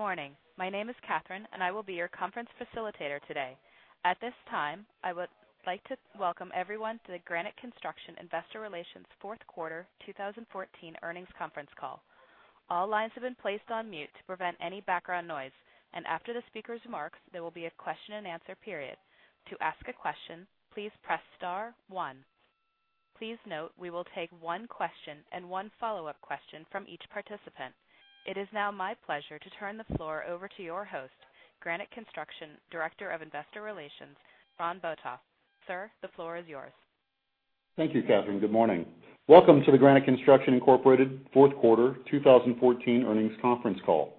Good morning. My name is Katherine, and I will be your conference facilitator today. At this time, I would like to welcome everyone to the Granite Construction Investor Relations Fourth Quarter 2014 Earnings Conference Call. All lines have been placed on mute to prevent any background noise, and after the speaker's remarks, there will be a question-and-answer period. To ask a question, please press star one. Please note we will take one question and one follow-up question from each participant. It is now my pleasure to turn the floor over to your host, Granite Construction Director of Investor Relations, Ron Botoff. Sir, the floor is yours. Thank you, Katherine. Good morning. Welcome to the Granite Construction Incorporated Fourth Quarter 2014 Earnings Conference Call.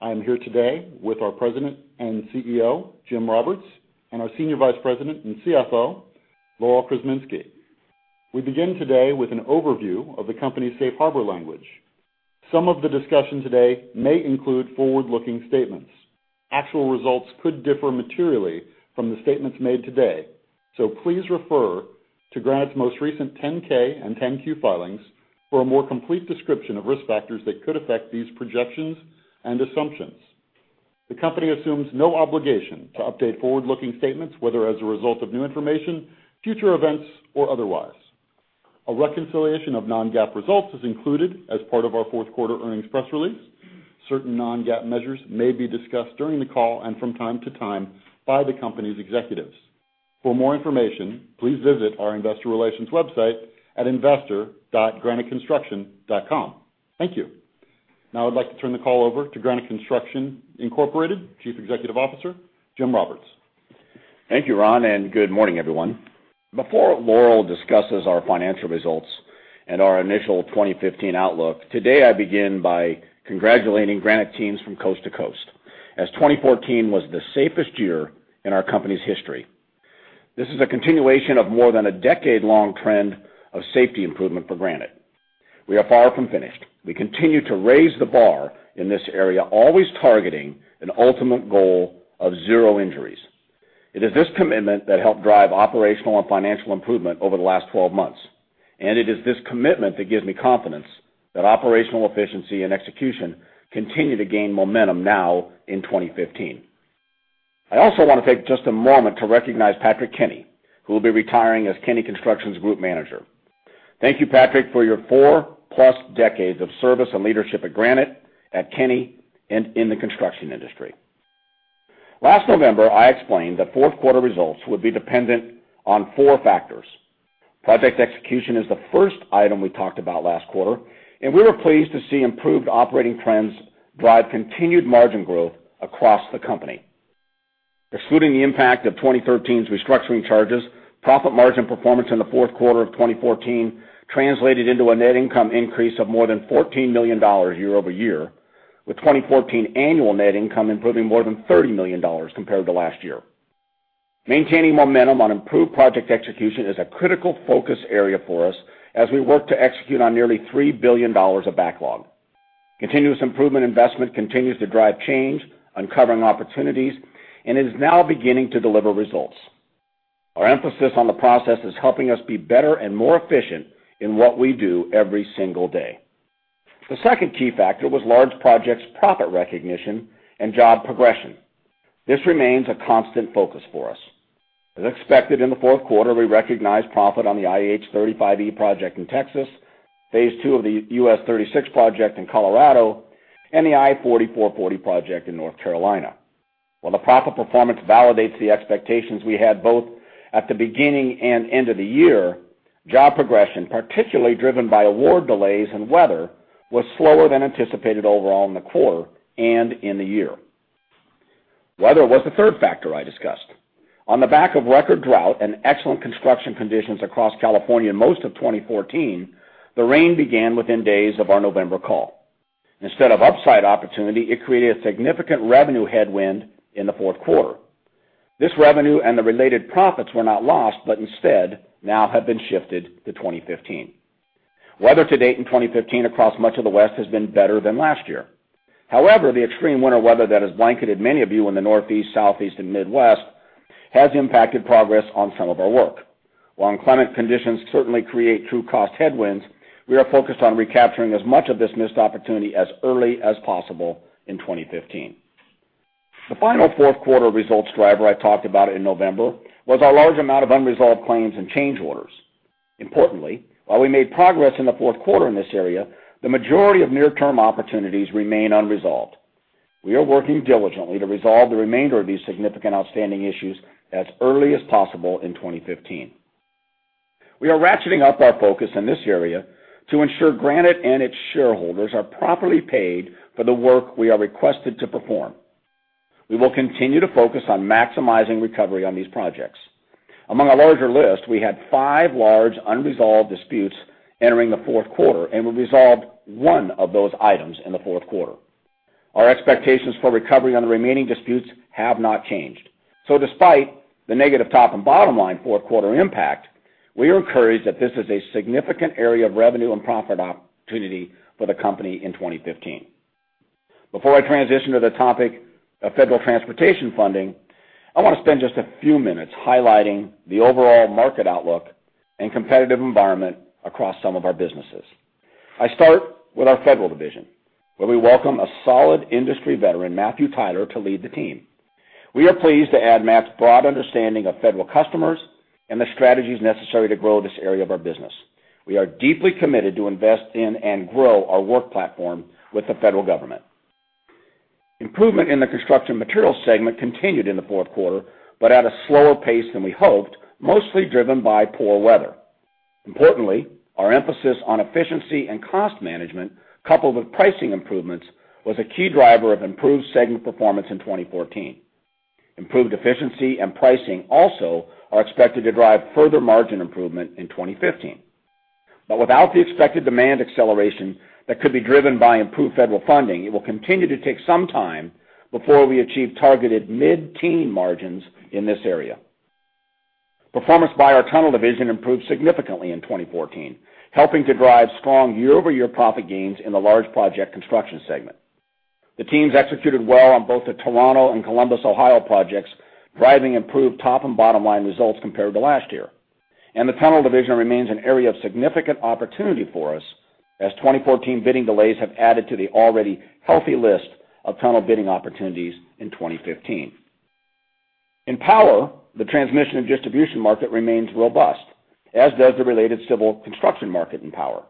I am here today with our President and CEO, Jim Roberts, and our Senior Vice President and CFO, Laurel Krzeminski. We begin today with an overview of the company's safe harbor language. Some of the discussion today may include forward-looking statements. Actual results could differ materially from the statements made today, so please refer to Granite's most recent 10-K and 10-Q filings for a more complete description of risk factors that could affect these projections and assumptions. The company assumes no obligation to update forward-looking statements, whether as a result of new information, future events, or otherwise. A reconciliation of non-GAAP results is included as part of our Fourth Quarter Earnings Press Release. Certain non-GAAP measures may be discussed during the call and from time to time by the company's executives. For more information, please visit our Investor Relations website at investor.graniteconstruction.com. Thank you. Now I'd like to turn the call over to Granite Construction Incorporated Chief Executive Officer, Jim Roberts. Thank you, Ron, and good morning, everyone. Before Laurel discusses our financial results and our initial 2015 outlook, today I begin by congratulating Granite teams from coast to coast as 2014 was the safest year in our company's history. This is a continuation of more than a decade-long trend of safety improvement for Granite. We are far from finished. We continue to raise the bar in this area, always targeting an ultimate goal of zero injuries. It is this commitment that helped drive operational and financial improvement over the last 12 months, and it is this commitment that gives me confidence that operational efficiency and execution continue to gain momentum now in 2015. I also want to take just a moment to recognize Patrick Kenny, who will be retiring as Kenny Construction's Group Manager. Thank you, Patrick, for your four-plus decades of service and leadership at Granite, at Kinney, and in the construction industry. Last November, I explained that Fourth Quarter results would be dependent on four factors. Project execution is the first item we talked about last quarter, and we were pleased to see improved operating trends drive continued margin growth across the company. Excluding the impact of 2013's restructuring charges, profit margin performance in the Fourth Quarter of 2014 translated into a net income increase of more than $14 million year-over-year, with 2014 annual net income improving more than $30 million compared to last year. Maintaining momentum on improved project execution is a critical focus area for us as we work to execute on nearly $3 billion of backlog. Continuous improvement investment continues to drive change, uncovering opportunities, and is now beginning to deliver results. Our emphasis on the process is helping us be better and more efficient in what we do every single day. The second key factor was large projects' profit recognition and job progression. This remains a constant focus for us. As expected, in the Fourth Quarter, we recognized profit on the IH-35E project in Texas, Phase Two of the US-36 project in Colorado, and the I-40/I-440 project in North Carolina. While the profit performance validates the expectations we had both at the beginning and end of the year, job progression, particularly driven by award delays and weather, was slower than anticipated overall in the quarter and in the year. Weather was the third factor I discussed. On the back of record drought and excellent construction conditions across California most of 2014, the rain began within days of our November call. Instead of upside opportunity, it created a significant revenue headwind in the fourth quarter. This revenue and the related profits were not lost, but instead now have been shifted to 2015. Weather to date in 2015 across much of the West has been better than last year. However, the extreme winter weather that has blanketed many of you in the Northeast, Southeast, and Midwest has impacted progress on some of our work. While climate conditions certainly create true cost headwinds, we are focused on recapturing as much of this missed opportunity as early as possible in 2015. The final fourth quarter results driver I talked about in November was our large amount of unresolved claims and change orders. Importantly, while we made progress in the fourth quarter in this area, the majority of near-term opportunities remain unresolved. We are working diligently to resolve the remainder of these significant outstanding issues as early as possible in 2015. We are ratcheting up our focus in this area to ensure Granite and its shareholders are properly paid for the work we are requested to perform. We will continue to focus on maximizing recovery on these projects. Among a larger list, we had five large unresolved disputes entering the Fourth Quarter, and we resolved one of those items in the Fourth Quarter. Our expectations for recovery on the remaining disputes have not changed. So, despite the negative top and bottom line Fourth Quarter impact, we are encouraged that this is a significant area of revenue and profit opportunity for the company in 2015. Before I transition to the topic of federal transportation funding, I want to spend just a few minutes highlighting the overall market outlook and competitive environment across some of our businesses. I start with our federal division, where we welcome a solid industry veteran, Matthew Tyler, to lead the team. We are pleased to add Matt's broad understanding of federal customers and the strategies necessary to grow this area of our business. We are deeply committed to invest in and grow our work platform with the federal government. Improvement in the construction materials segment continued in the fourth quarter, but at a slower pace than we hoped, mostly driven by poor weather. Importantly, our emphasis on efficiency and cost management, coupled with pricing improvements, was a key driver of improved segment performance in 2014. Improved efficiency and pricing also are expected to drive further margin improvement in 2015. But without the expected demand acceleration that could be driven by improved federal funding, it will continue to take some time before we achieve targeted mid-teen margins in this area. Performance by our tunnel division improved significantly in 2014, helping to drive strong year-over-year profit gains in the large project construction segment. The teams executed well on both the Toronto and Columbus, Ohio, projects, driving improved top and bottom line results compared to last year. The tunnel division remains an area of significant opportunity for us, as 2014 bidding delays have added to the already healthy list of tunnel bidding opportunities in 2015. In Power, the transmission and distribution market remains robust, as does the related civil construction market in Power.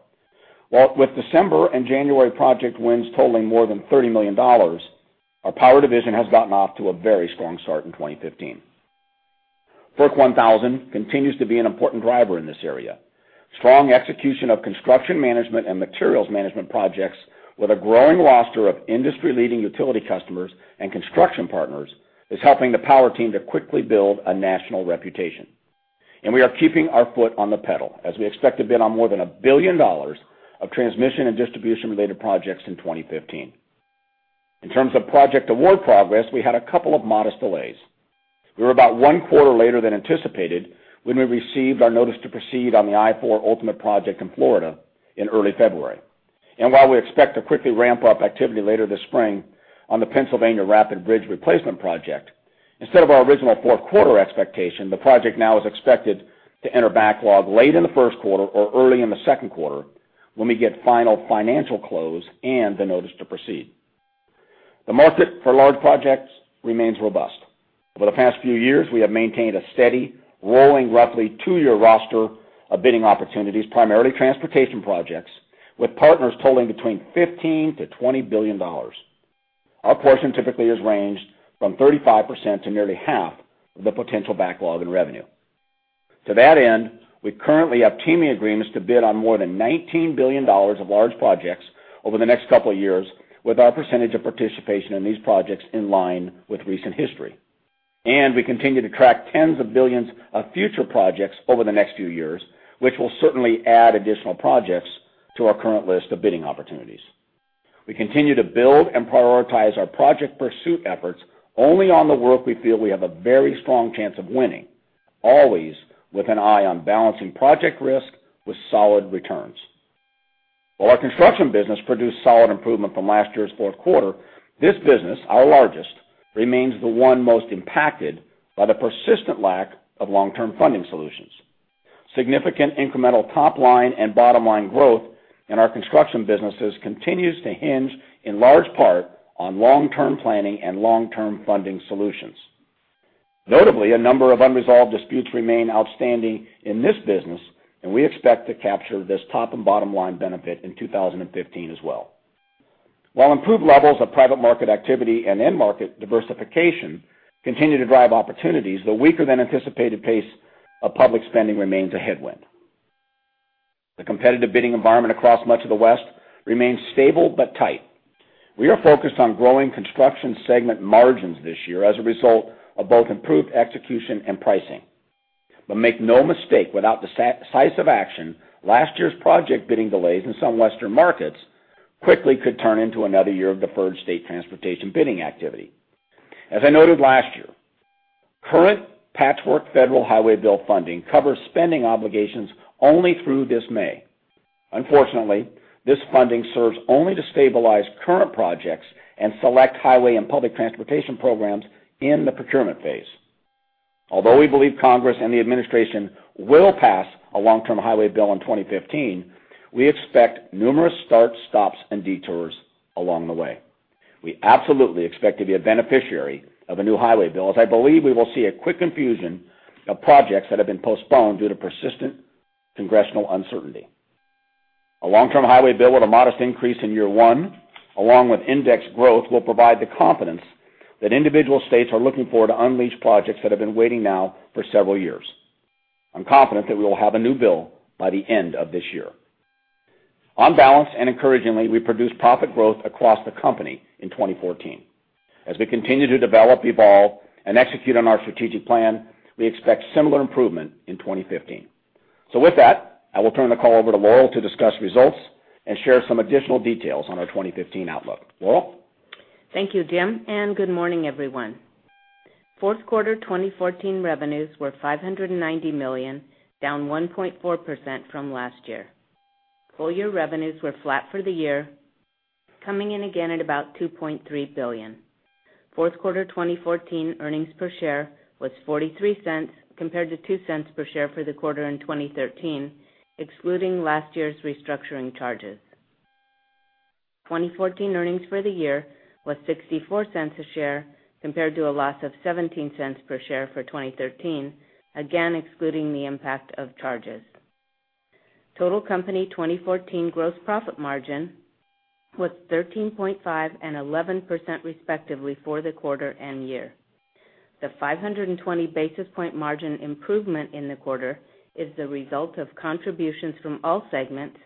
With December and January project wins totaling more than $30 million, our Power division has gotten off to a very strong start in 2015. Order 1000 continues to be an important driver in this area. Strong execution of construction management and materials management projects, with a growing roster of industry-leading utility customers and construction partners, is helping the Power team to quickly build a national reputation. We are keeping our foot on the pedal, as we expect to bid on more than $1 billion of transmission and distribution-related projects in 2015. In terms of project award progress, we had a couple of modest delays. We were about one quarter later than anticipated when we received our notice to proceed on the I-4 Ultimate Project in Florida in early February. While we expect to quickly ramp up activity later this spring on the Pennsylvania Rapid Bridge Replacement Project, instead of our original Fourth Quarter expectation, the project now is expected to enter backlog late in the First Quarter or early in the Second Quarter when we get final financial close and the notice to proceed. The market for large projects remains robust. Over the past few years, we have maintained a steady, rolling roughly two-year roster of bidding opportunities, primarily transportation projects, with partners totaling between $15-$20 billion. Our portion typically is ranged from 35% to nearly half of the potential backlog in revenue. To that end, we currently have teaming agreements to bid on more than $19 billion of large projects over the next couple of years, with our percentage of participation in these projects in line with recent history. We continue to track tens of billions of future projects over the next few years, which will certainly add additional projects to our current list of bidding opportunities. We continue to build and prioritize our project pursuit efforts only on the work we feel we have a very strong chance of winning, always with an eye on balancing project risk with solid returns. While our construction business produced solid improvement from last year's Fourth Quarter, this business, our largest, remains the one most impacted by the persistent lack of long-term funding solutions. Significant incremental top-line and bottom-line growth in our construction businesses continues to hinge in large part on long-term planning and long-term funding solutions. Notably, a number of unresolved disputes remain outstanding in this business, and we expect to capture this top and bottom line benefit in 2015 as well. While improved levels of private market activity and end market diversification continue to drive opportunities, the weaker-than-anticipated pace of public spending remains a headwind. The competitive bidding environment across much of the West remains stable but tight. We are focused on growing construction segment margins this year as a result of both improved execution and pricing. But make no mistake, without decisive action, last year's project bidding delays in some Western markets quickly could turn into another year of deferred state transportation bidding activity. As I noted last year, current patchwork federal highway bill funding covers spending obligations only through this May. Unfortunately, this funding serves only to stabilize current projects and select highway and public transportation programs in the procurement phase. Although we believe Congress and the administration will pass a long-term highway bill in 2015, we expect numerous starts, stops, and detours along the way. We absolutely expect to be a beneficiary of a new highway bill, as I believe we will see a quick infusion of projects that have been postponed due to persistent congressional uncertainty. A long-term highway bill with a modest increase in year one, along with index growth, will provide the confidence that individual states are looking forward to unleash projects that have been waiting now for several years. I'm confident that we will have a new bill by the end of this year. On balance, and encouragingly, we produced profit growth across the company in 2014. As we continue to develop, evolve, and execute on our strategic plan, we expect similar improvement in 2015. So with that, I will turn the call over to Laurel to discuss results and share some additional details on our 2015 outlook. Laurel? Thank you, Jim. Good morning, everyone. Fourth Quarter 2014 revenues were $590 million, down 1.4% from last year. Full-year revenues were flat for the year, coming in again at about $2.3 billion. Fourth Quarter 2014 earnings per share was $0.43 compared to $0.02 per share for the quarter in 2013, excluding last year's restructuring charges. 2014 earnings for the year was $0.64 a share compared to a loss of $0.17 per share for 2013, again excluding the impact of charges. Total company 2014 gross profit margin was 13.5% and 11% respectively for the quarter and year. The 520 basis point margin improvement in the quarter is the result of contributions from all segments,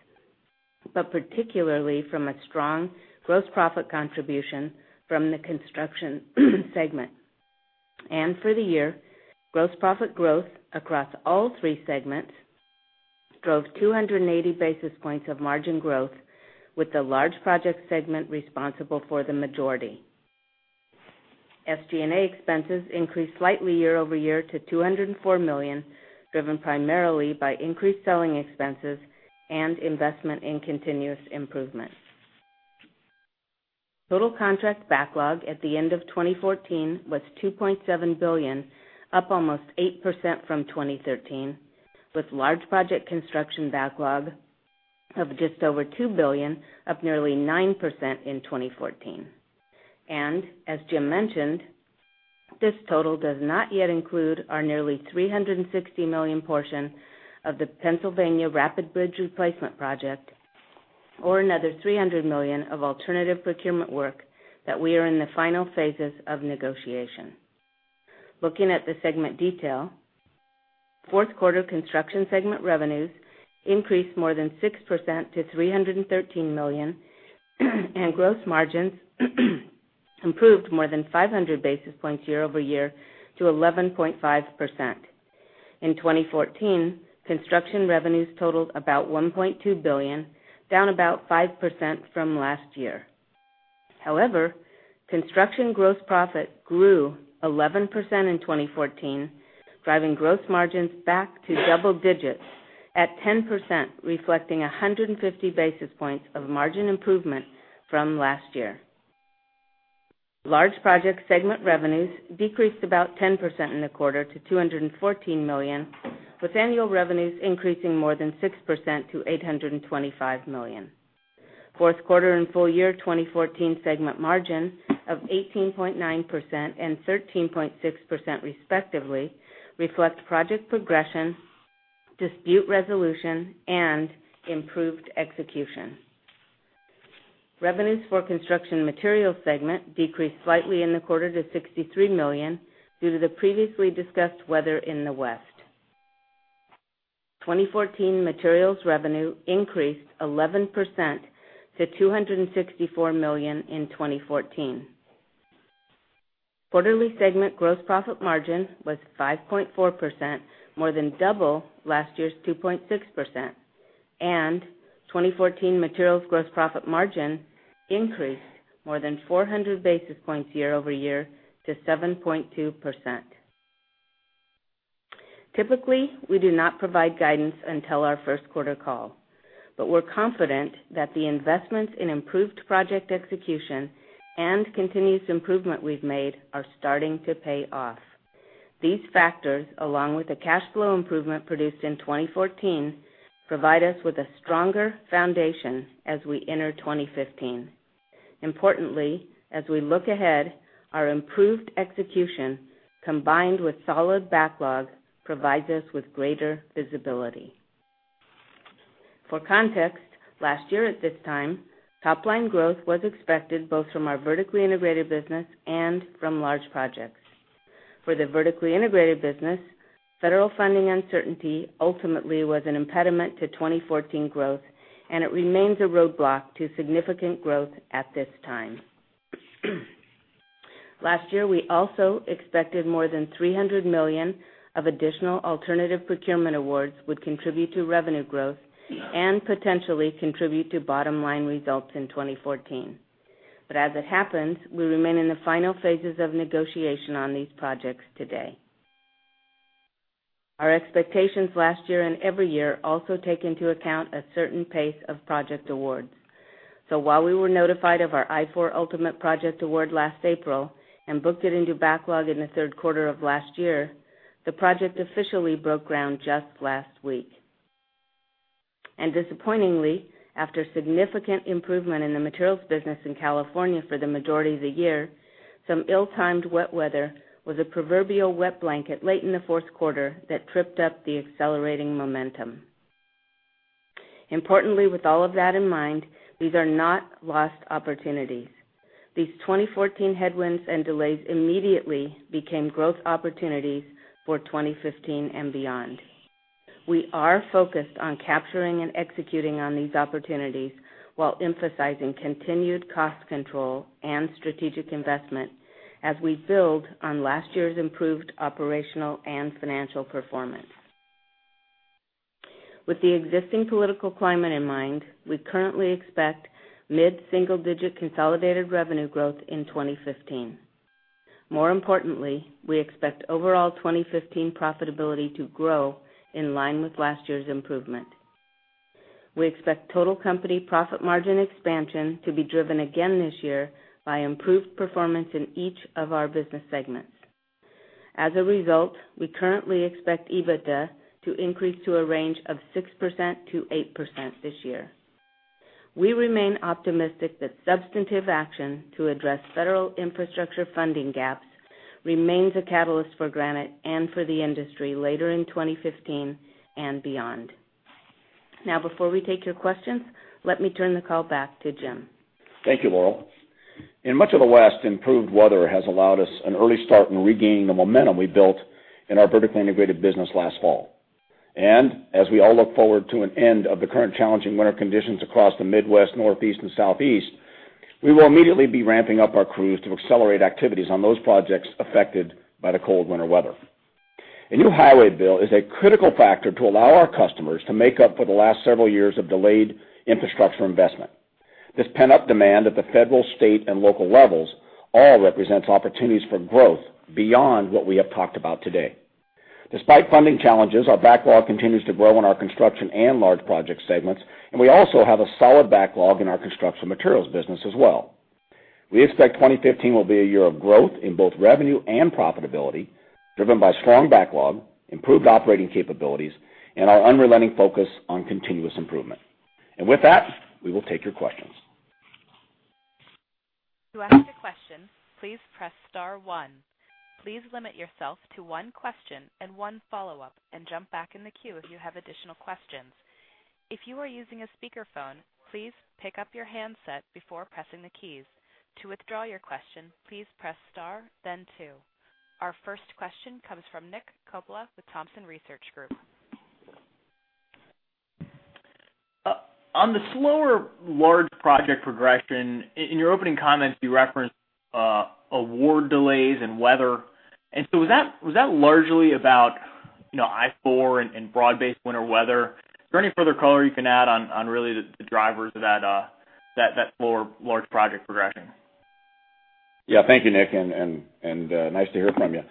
but particularly from a strong gross profit contribution from the construction segment. For the year, gross profit growth across all three segments drove 280 basis points of margin growth, with the large project segment responsible for the majority. SG&A expenses increased slightly year-over-year to $204 million, driven primarily by increased selling expenses and investment in continuous improvement. Total contract backlog at the end of 2014 was $2.7 billion, up almost 8% from 2013, with large project construction backlog of just over $2 billion, up nearly 9% in 2014. And as Jim mentioned, this total does not yet include our nearly $360 million portion of the Pennsylvania Rapid Bridge Replacement Project, or another $300 million of alternative procurement work that we are in the final phases of negotiation. Looking at the segment detail, Fourth Quarter construction segment revenues increased more than 6% to $313 million, and gross margins improved more than 500 basis points year-over-year to 11.5%. In 2014, construction revenues totaled about $1.2 billion, down about 5% from last year. However, construction gross profit grew 11% in 2014, driving gross margins back to double digits at 10%, reflecting 150 basis points of margin improvement from last year. Large project segment revenues decreased about 10% in the quarter to $214 million, with annual revenues increasing more than 6% to $825 million. Fourth Quarter and full-year 2014 segment margin of 18.9% and 13.6% respectively reflect project progression, dispute resolution, and improved execution. Revenues for construction materials segment decreased slightly in the quarter to $63 million due to the previously discussed weather in the West. 2014 materials revenue increased 11% to $264 million in 2014. Quarterly segment gross profit margin was 5.4%, more than double last year's 2.6%. 2014 materials gross profit margin increased more than 400 basis points year-over-year to 7.2%. Typically, we do not provide guidance until our First Quarter call. But we're confident that the investments in improved project execution and continuous improvement we've made are starting to pay off. These factors, along with the cash flow improvement produced in 2014, provide us with a stronger foundation as we enter 2015. Importantly, as we look ahead, our improved execution, combined with solid backlog, provides us with greater visibility. For context, last year at this time, top-line growth was expected both from our vertically integrated business and from large projects. For the vertically integrated business, federal funding uncertainty ultimately was an impediment to 2014 growth, and it remains a roadblock to significant growth at this time. Last year, we also expected more than $300 million of additional alternative procurement awards would contribute to revenue growth and potentially contribute to bottom line results in 2014. But as it happens, we remain in the final phases of negotiation on these projects today. Our expectations last year and every year also take into account a certain pace of project awards. So while we were notified of our I-4 Ultimate Project Award last April and booked it into backlog in the Third Quarter of last year, the project officially broke ground just last week. And disappointingly, after significant improvement in the materials business in California for the majority of the year, some ill-timed wet weather was a proverbial wet blanket late in the Fourth Quarter that tripped up the accelerating momentum. Importantly, with all of that in mind, these are not lost opportunities. These 2014 headwinds and delays immediately became growth opportunities for 2015 and beyond. We are focused on capturing and executing on these opportunities while emphasizing continued cost control and strategic investment as we build on last year's improved operational and financial performance. With the existing political climate in mind, we currently expect mid-single-digit consolidated revenue growth in 2015. More importantly, we expect overall 2015 profitability to grow in line with last year's improvement. We expect total company profit margin expansion to be driven again this year by improved performance in each of our business segments. As a result, we currently expect EBITDA to increase to a range of 6%-8% this year. We remain optimistic that substantive action to address federal infrastructure funding gaps remains a catalyst for Granite and for the industry later in 2015 and beyond. Now, before we take your questions, let me turn the call back to Jim. Thank you, Laurel. In much of the West, improved weather has allowed us an early start in regaining the momentum we built in our vertically integrated business last fall. As we all look forward to an end of the current challenging winter conditions across the Midwest, Northeast, and Southeast, we will immediately be ramping up our crews to accelerate activities on those projects affected by the cold winter weather. A new highway bill is a critical factor to allow our customers to make up for the last several years of delayed infrastructure investment. This pent-up demand at the federal, state, and local levels all represents opportunities for growth beyond what we have talked about today. Despite funding challenges, our backlog continues to grow in our construction and large project segments, and we also have a solid backlog in our construction materials business as well. We expect 2015 will be a year of growth in both revenue and profitability, driven by strong backlog, improved operating capabilities, and our unrelenting focus on continuous improvement. With that, we will take your questions. To ask a question, please press star one. Please limit yourself to one question and one follow-up, and jump back in the queue if you have additional questions. If you are using a speakerphone, please pick up your handset before pressing the keys. To withdraw your question, please press star, then two. Our first question comes from Nick Coppola with Thompson Research Group. On the slower large project progression, in your opening comments, you referenced award delays and weather. Was that largely about I-4 and broad-based winter weather? Is there any further color you can add on really the drivers of that slower large project progression? Yeah. Thank you, Nick. And nice to hear from you.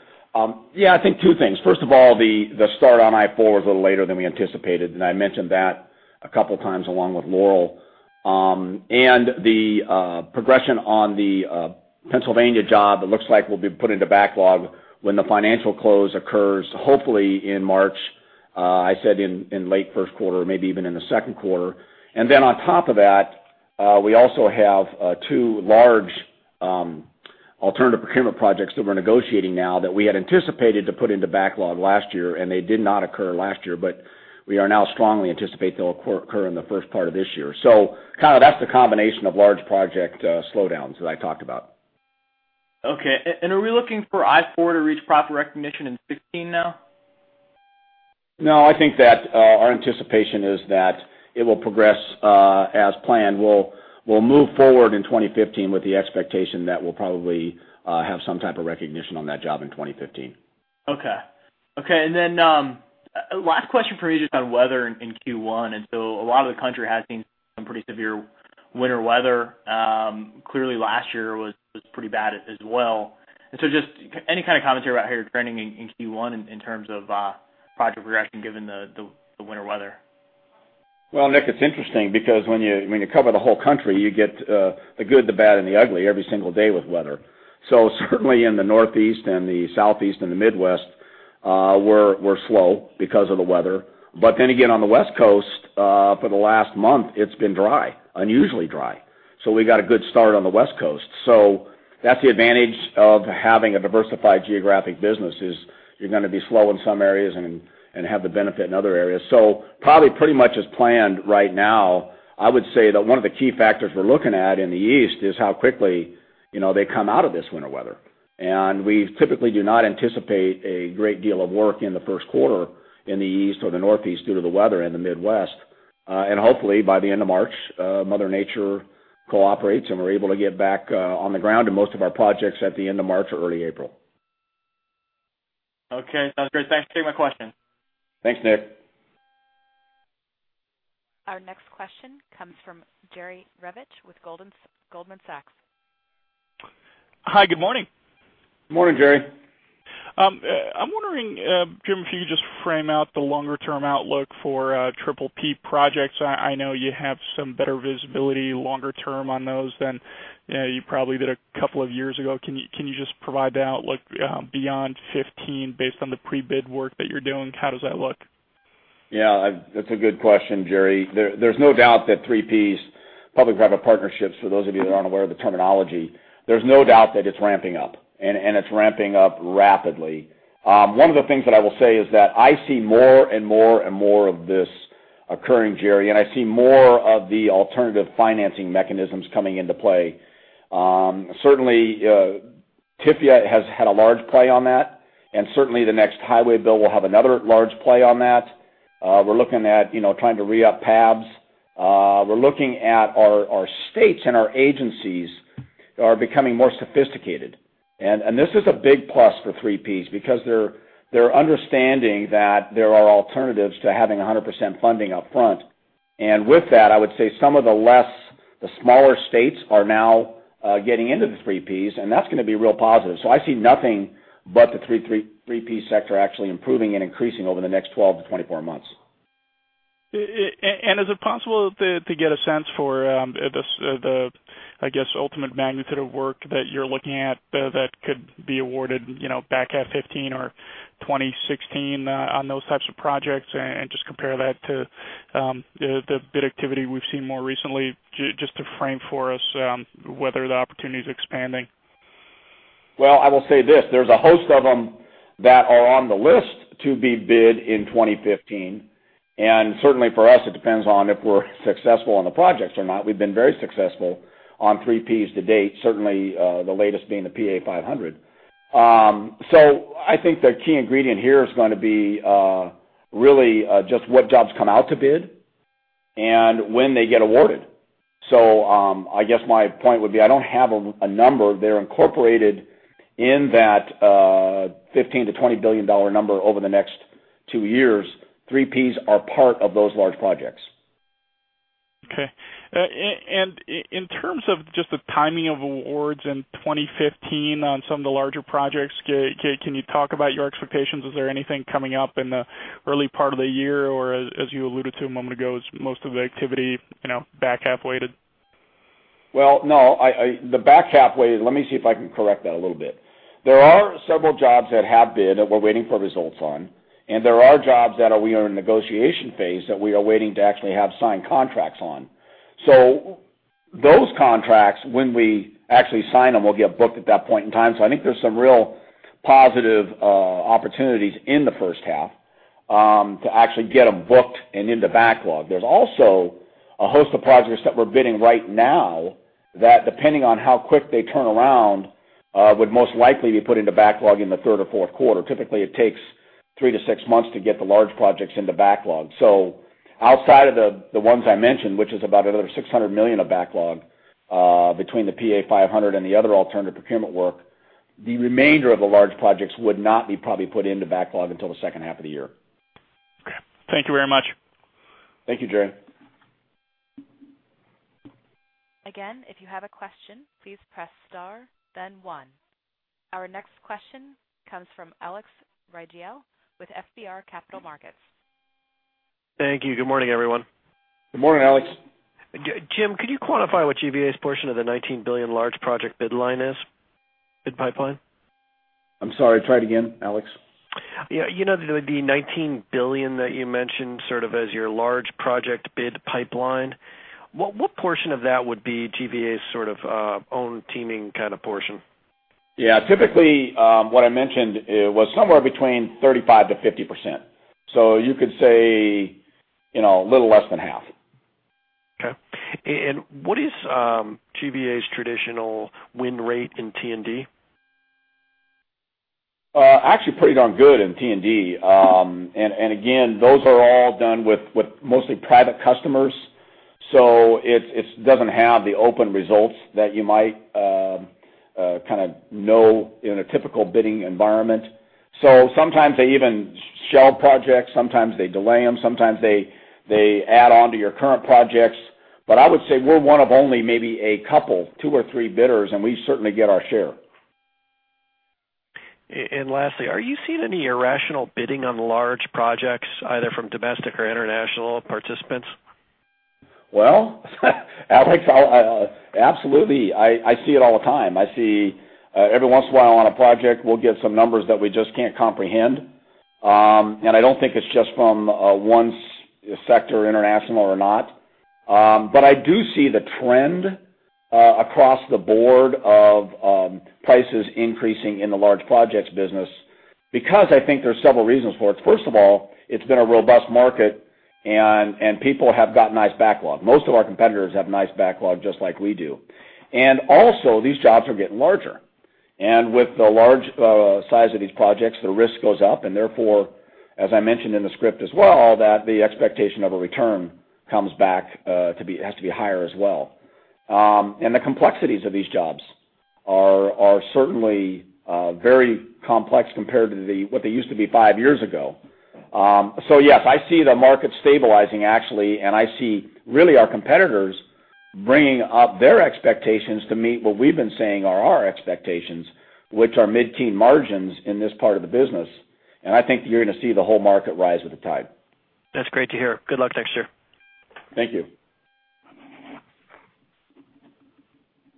Yeah. I think two things. First of all, the start on I-4 was a little later than we anticipated, and I mentioned that a couple of times along with Laurel. And the progression on the Pennsylvania job, it looks like we'll be put into backlog when the financial close occurs, hopefully in March. I said in late First Quarter, maybe even in the Second Quarter. And then on top of that, we also have two large alternative procurement projects that we're negotiating now that we had anticipated to put into backlog last year, and they did not occur last year. But we are now strongly anticipating they'll occur in the first part of this year. So kind of that's the combination of large project slowdowns that I talked about. Okay. And are we looking for I-4 to reach proper recognition in 2016 now? No. I think that our anticipation is that it will progress as planned. We'll move forward in 2015 with the expectation that we'll probably have some type of recognition on that job in 2015. Okay. Okay. And then last question for me just on weather in Q1. And so a lot of the country has seen some pretty severe winter weather. Clearly, last year was pretty bad as well. And so just any kind of commentary about how you're trending in Q1 in terms of project progression given the winter weather? Well, Nick, it's interesting because when you cover the whole country, you get the good, the bad, and the ugly every single day with weather. So certainly in the Northeast and the Southeast and the Midwest, we're slow because of the weather. But then again, on the West Coast, for the last month, it's been dry, unusually dry. So we got a good start on the West Coast. So that's the advantage of having a diversified geographic business is you're going to be slow in some areas and have the benefit in other areas. So probably pretty much as planned right now, I would say that one of the key factors we're looking at in the East is how quickly they come out of this winter weather. We typically do not anticipate a great deal of work in the first quarter in the East or the Northeast due to the weather in the Midwest. Hopefully, by the end of March, Mother Nature cooperates and we're able to get back on the ground in most of our projects at the end of March or early April. Okay. Sounds great. Thanks for taking my question. Thanks, Nick. Our next question comes from Jerry Revich with Goldman Sachs. Hi. Good morning. Good morning, Jerry. I'm wondering, Jim, if you could just frame out the longer-term outlook for triple-P projects. I know you have some better visibility longer-term on those than you probably did a couple of years ago. Can you just provide that outlook beyond 2015 based on the pre-bid work that you're doing? How does that look? Yeah. That's a good question, Jerry. There's no doubt that P3s, public-private partnerships, for those of you that aren't aware of the terminology, there's no doubt that it's ramping up, and it's ramping up rapidly. One of the things that I will say is that I see more and more and more of this occurring, Jerry, and I see more of the alternative financing mechanisms coming into play. Certainly, TIFIA has had a large play on that, and certainly the next highway bill will have another large play on that. We're looking at trying to re-up PABs. We're looking at our states and our agencies are becoming more sophisticated. And this is a big plus for P3s because they're understanding that there are alternatives to having 100% funding upfront. And with that, I would say some of the smaller states are now getting into the P3s, and that's going to be real positive. So I see nothing but the P3 sector actually improving and increasing over the next 12-24 months. Is it possible to get a sense for the, I guess, ultimate magnitude of work that you're looking at that could be awarded back at 2015 or 2016 on those types of projects and just compare that to the bid activity we've seen more recently just to frame for us whether the opportunity is expanding? Well, I will say this. There's a host of them that are on the list to be bid in 2015. And certainly for us, it depends on if we're successful on the projects or not. We've been very successful on P3s to date, certainly the latest being the PA 500. So I think the key ingredient here is going to be really just what jobs come out to bid and when they get awarded. So I guess my point would be I don't have a number. They're incorporated in that $15 billion-$20 billion number over the next two years. P3s are part of those large projects. Okay. In terms of just the timing of awards in 2015 on some of the larger projects, can you talk about your expectations? Is there anything coming up in the early part of the year or, as you alluded to a moment ago, is most of the activity back halfway to? Well, no. The backlog, let me see if I can correct that a little bit. There are several jobs that we've bid that we're waiting for results on, and there are jobs that we are in negotiation phase that we are waiting to actually have signed contracts on. So those contracts, when we actually sign them, will get booked at that point in time. So I think there's some real positive opportunities in the first half to actually get them booked and into backlog. There's also a host of projects that we're bidding right now that, depending on how quick they turn around, would most likely be put into backlog in the third or fourth quarter. Typically, it takes 3-6 months to get the large projects into backlog. Outside of the ones I mentioned, which is about another $600 million of backlog between the PA 500 and the other alternative procurement work, the remainder of the large projects would not be probably put into backlog until the second half of the year. Okay. Thank you very much. Thank you, Jerry. Again, if you have a question, please press star, then one. Our next question comes from Alex Riegel with FBR Capital Markets. Thank you. Good morning, everyone. Good morning, Alex. Jim, could you quantify what GVA's portion of the $19 billion large project bid line is, bid pipeline? I'm sorry. Try it again, Alex. You know the $19 billion that you mentioned sort of as your large project bid pipeline. What portion of that would be GVA's sort of own teaming kind of portion? Yeah. Typically, what I mentioned was somewhere between 35%-50%. So you could say a little less than half. Okay. And what is GVA's traditional win rate in T&D? Actually, pretty darn good in T&D. And again, those are all done with mostly private customers. So it doesn't have the open results that you might kind of know in a typical bidding environment. So sometimes they even shell projects. Sometimes they delay them. Sometimes they add on to your current projects. But I would say we're one of only maybe a couple, two or three bidders, and we certainly get our share. And lastly, are you seeing any irrational bidding on large projects, either from domestic or international participants? Well, Alex, absolutely. I see it all the time. I see every once in a while on a project, we'll get some numbers that we just can't comprehend. I don't think it's just from one sector, international or not. But I do see the trend across the board of prices increasing in the large projects business because I think there's several reasons for it. First of all, it's been a robust market, and people have got nice backlog. Most of our competitors have nice backlog just like we do. Also, these jobs are getting larger. And with the large size of these projects, the risk goes up. And therefore, as I mentioned in the script as well, the expectation of a return comes back to be, has to be higher as well. The complexities of these jobs are certainly very complex compared to what they used to be five years ago. So yes, I see the market stabilizing, actually, and I see really our competitors bringing up their expectations to meet what we've been saying are our expectations, which are mid-teen margins in this part of the business. I think you're going to see the whole market rise with the tide. That's great to hear. Good luck next year. Thank you.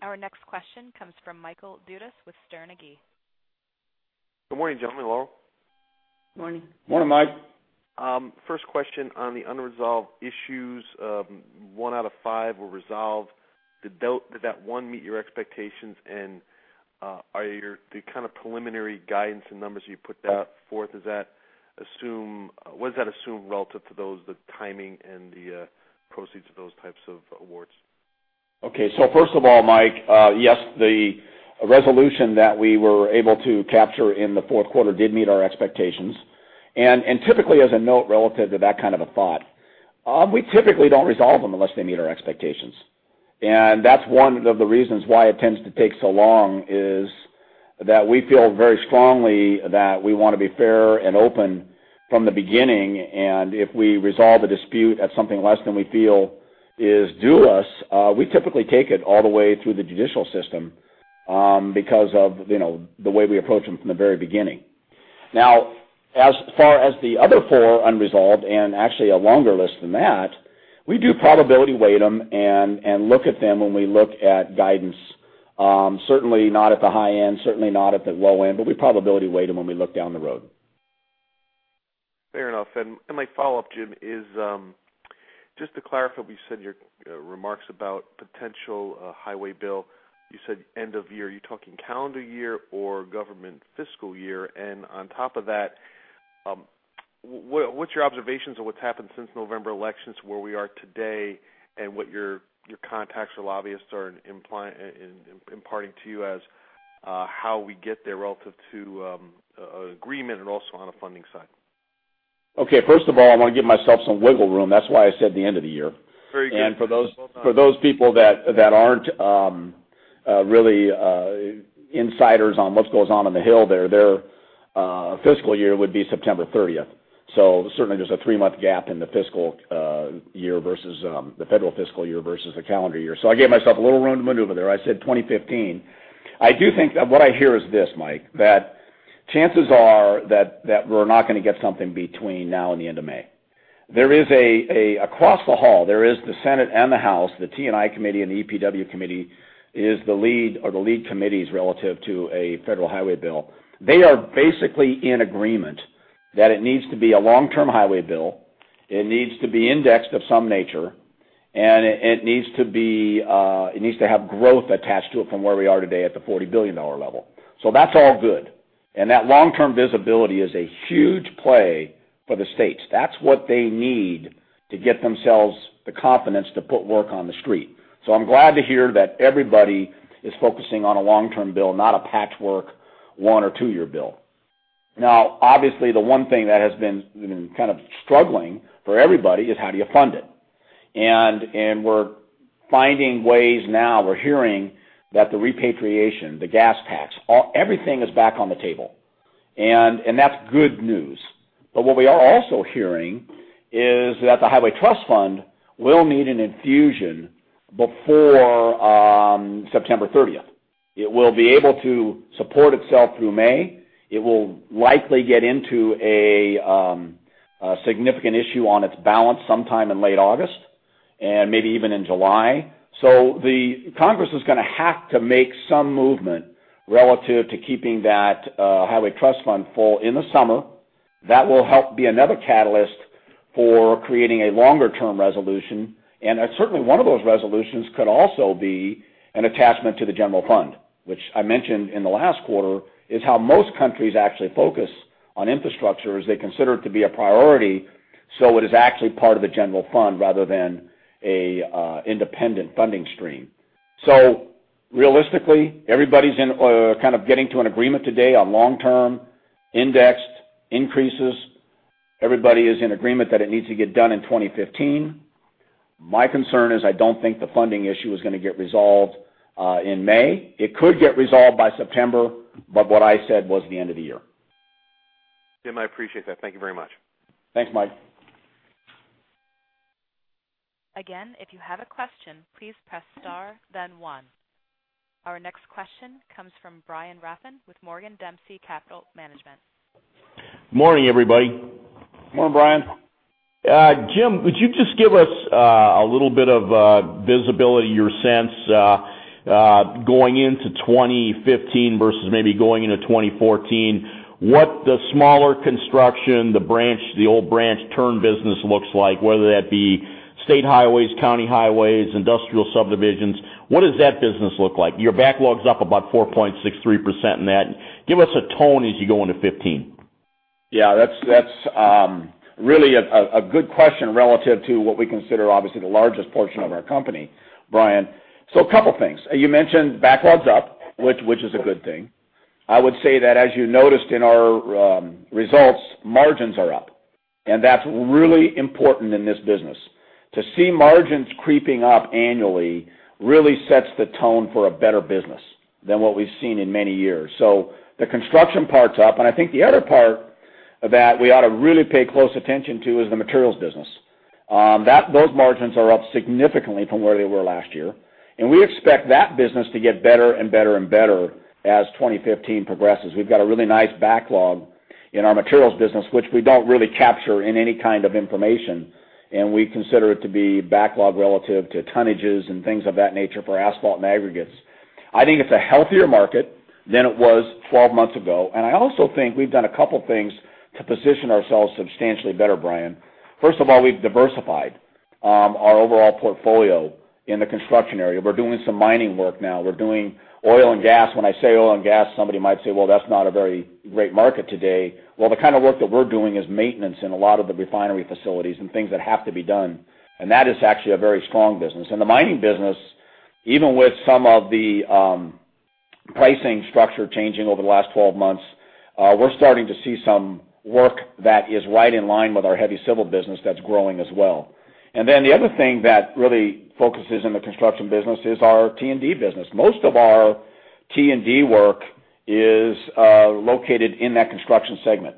Our next question comes from Michael Dudas with Sterne Agee. Good morning, gentlemen. Laurel? Morning. Morning, Mike. First question on the unresolved issues. One out of five were resolved. Did that one meet your expectations? And the kind of preliminary guidance and numbers you put forth, what does that assume relative to the timing and the proceeds of those types of awards? Okay. So first of all, Mike, yes, the resolution that we were able to capture in the fourth quarter did meet our expectations. And typically, as a note relative to that kind of a thought, we typically don't resolve them unless they meet our expectations. And that's one of the reasons why it tends to take so long is that we feel very strongly that we want to be fair and open from the beginning. And if we resolve a dispute at something less than we feel is due us, we typically take it all the way through the judicial system because of the way we approach them from the very beginning. Now, as far as the other four unresolved and actually a longer list than that, we do probability weight them and look at them when we look at guidance. Certainly not at the high end, certainly not at the low end, but we probability weight them when we look down the road. Fair enough. My follow-up, Jim, is just to clarify. You said your remarks about potential highway bill. You said end of year. Are you talking calendar year or government fiscal year? And on top of that, what's your observations of what's happened since November elections, where we are today, and what your contacts or lobbyists are imparting to you as how we get there relative to an agreement and also on a funding side? Okay. First of all, I want to give myself some wiggle room. That's why I said the end of the year. Very good. For those people that aren't really insiders on what's going on on the Hill there, their fiscal year would be September 30th. So certainly, there's a 3-month gap in the fiscal year versus the federal fiscal year versus the calendar year. So I gave myself a little room to maneuver there. I said 2015. I do think that what I hear is this, Mike, that chances are that we're not going to get something between now and the end of May. There is across the hall, there is the Senate and the House, the T&I Committee and the EPW Committee is the lead or the lead committees relative to a federal highway bill. They are basically in agreement that it needs to be a long-term highway bill. It needs to be indexed of some nature, and it needs to have growth attached to it from where we are today at the $40 billion level. So that's all good. And that long-term visibility is a huge play for the states. That's what they need to get themselves the confidence to put work on the street. So I'm glad to hear that everybody is focusing on a long-term bill, not a patchwork one or two-year bill. Now, obviously, the one thing that has been kind of struggling for everybody is how do you fund it? And we're finding ways now. We're hearing that the repatriation, the gas tax, everything is back on the table. And that's good news. But what we are also hearing is that the Highway Trust Fund will need an infusion before September 30th. It will be able to support itself through May. It will likely get into a significant issue on its balance sometime in late August and maybe even in July. So the Congress is going to have to make some movement relative to keeping that Highway Trust Fund full in the summer. That will help be another catalyst for creating a longer-term resolution. And certainly, one of those resolutions could also be an attachment to the general fund, which I mentioned in the last quarter is how most countries actually focus on infrastructure as they consider it to be a priority. So it is actually part of the general fund rather than an independent funding stream. So realistically, everybody's kind of getting to an agreement today on long-term indexed increases. Everybody is in agreement that it needs to get done in 2015. My concern is I don't think the funding issue is going to get resolved in May. It could get resolved by September, but what I said was the end of the year. Jim, I appreciate that. Thank you very much. Thanks, Mike. Again, if you have a question, please press star, then one. Our next question comes from Brian Rafn with Morgan Dempsey Capital Management. Morning, everybody. Morning, Brian. Jim, would you just give us a little bit of visibility, your sense going into 2015 versus maybe going into 2014, what the smaller construction, the old branch turn business looks like, whether that be state highways, county highways, industrial subdivisions? What does that business look like? Your backlog's up about 4.63% in that. Give us a tone as you go into 2015. Yeah. That's really a good question relative to what we consider, obviously, the largest portion of our company, Brian. So a couple of things. You mentioned backlog's up, which is a good thing. I would say that, as you noticed in our results, margins are up. And that's really important in this business. To see margins creeping up annually really sets the tone for a better business than what we've seen in many years. So the construction part's up. I think the other part that we ought to really pay close attention to is the materials business. Those margins are up significantly from where they were last year. We expect that business to get better and better and better as 2015 progresses. We've got a really nice backlog in our materials business, which we don't really capture in any kind of information. We consider it to be backlog relative to tonnages and things of that nature for asphalt and aggregates. I think it's a healthier market than it was 12 months ago. I also think we've done a couple of things to position ourselves substantially better, Brian. First of all, we've diversified our overall portfolio in the construction area. We're doing some mining work now. We're doing oil and gas. When I say oil and gas, somebody might say, "Well, that's not a very great market today." Well, the kind of work that we're doing is maintenance in a lot of the refinery facilities and things that have to be done. And that is actually a very strong business. And the mining business, even with some of the pricing structure changing over the last 12 months, we're starting to see some work that is right in line with our heavy civil business that's growing as well. And then the other thing that really focuses in the construction business is our T&D business. Most of our T&D work is located in that construction segment.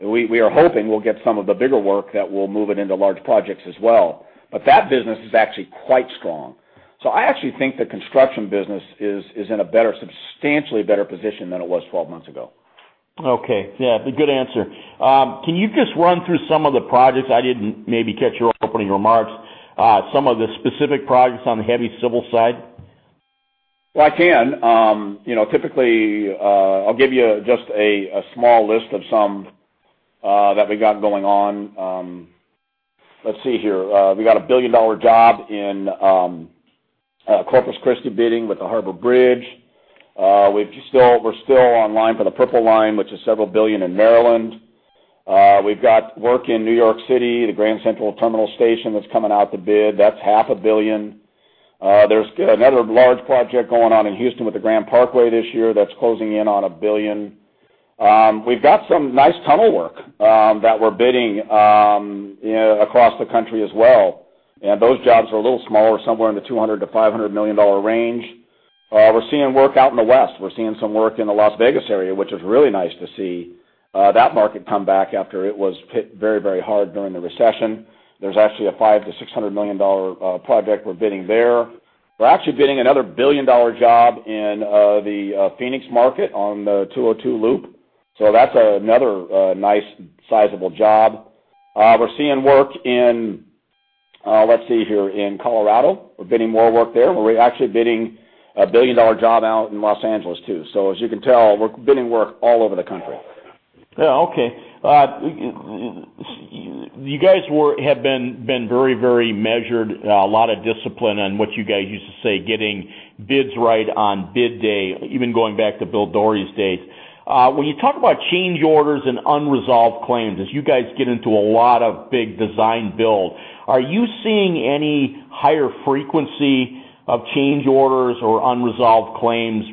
We are hoping we'll get some of the bigger work that will move it into large projects as well. But that business is actually quite strong. So I actually think the construction business is in a better, substantially better position than it was 12 months ago. Okay. Yeah. Good answer. Can you just run through some of the projects? I didn't maybe catch your opening remarks. Some of the specific projects on the heavy civil side? Well, I can. Typically, I'll give you just a small list of some that we've got going on. Let's see here. We've got a $1 billion job in Corpus Christi bidding with the Harbor Bridge. We're still online for the Purple Line, which is $several billion in Maryland. We've got work in New York City, the Grand Central Terminal Station that's coming out to bid. That's $500 million. There's another large project going on in Houston with the Grand Parkway this year that's closing in on $1 billion. We've got some nice tunnel work that we're bidding across the country as well. And those jobs are a little smaller, somewhere in the $200 million-$500 million range. We're seeing work out in the west. We're seeing some work in the Las Vegas area, which is really nice to see that market come back after it was hit very, very hard during the recession. There's actually a $5 million-$600 million project we're bidding there. We're actually bidding another billion-dollar job in the Phoenix market on the 202 Loop. So that's another nice sizable job. We're seeing work in, let's see here, in Colorado. We're bidding more work there. We're actually bidding a billion-dollar job out in Los Angeles too. So as you can tell, we're bidding work all over the country. Yeah. Okay. You guys have been very, very measured, a lot of discipline on what you guys used to say, getting bids right on bid day, even going back to Bill Dorey's days. When you talk about change orders and unresolved claims, as you guys get into a lot of big design build, are you seeing any higher frequency of change orders or unresolved claims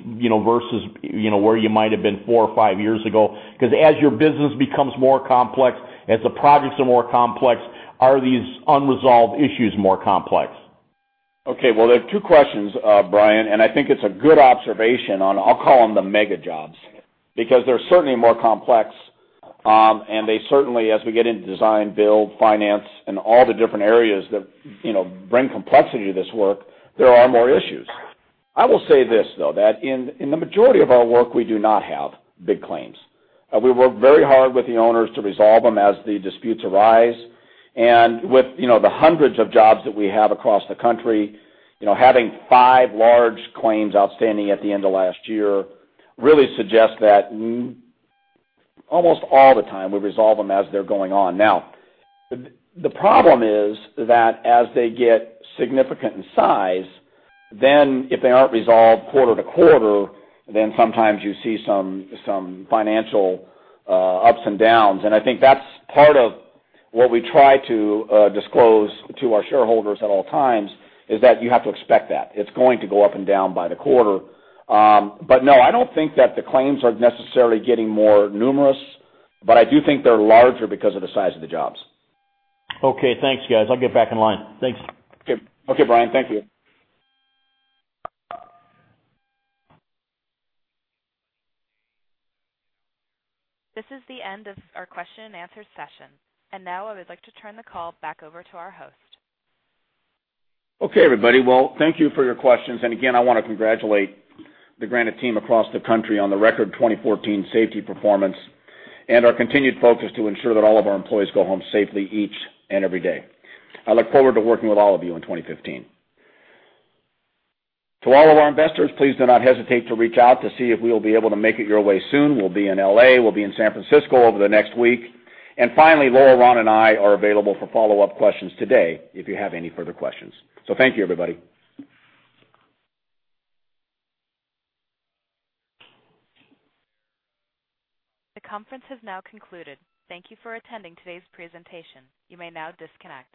versus where you might have been four or five years ago? Because as your business becomes more complex, as the projects are more complex, are these unresolved issues more complex? Okay. Well, there are two questions, Brian. I think it's a good observation on, I'll call them the mega jobs, because they're certainly more complex. They certainly, as we get into design, build, finance, and all the different areas that bring complexity to this work, there are more issues. I will say this though, that in the majority of our work, we do not have big claims. We work very hard with the owners to resolve them as the disputes arise. And with the hundreds of jobs that we have across the country, having five large claims outstanding at the end of last year really suggests that almost all the time we resolve them as they're going on. Now, the problem is that as they get significant in size, then if they aren't resolved quarter to quarter, then sometimes you see some financial ups and downs. And I think that's part of what we try to disclose to our shareholders at all times is that you have to expect that. It's going to go up and down by the quarter. But no, I don't think that the claims are necessarily getting more numerous, but I do think they're larger because of the size of the jobs. Okay. Thanks, guys. I'll get back in line. Thanks. Okay. Okay, Brian. Thank you. This is the end of our question and answer session. Now I would like to turn the call back over to our host. Okay, everybody. Well, thank you for your questions. And again, I want to congratulate the Granite Team across the country on the record 2014 safety performance and our continued focus to ensure that all of our employees go home safely each and every day. I look forward to working with all of you in 2015. To all of our investors, please do not hesitate to reach out to see if we will be able to make it your way soon. We'll be in L.A. We'll be in San Francisco over the next week. And finally, Laurel and Ron and I are available for follow-up questions today if you have any further questions. So thank you, everybody. The conference has now concluded. Thank you for attending today's presentation. You may now disconnect.